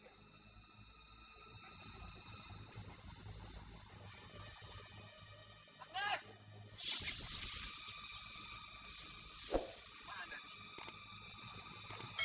mau jadi kayak gini sih salah buat apa